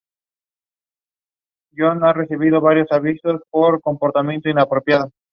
Aprender mediante el juego.